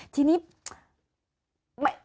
ทีนี้